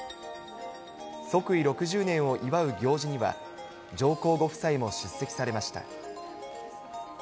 即位６０年を祝う行事には、上皇ご夫妻も出席されました。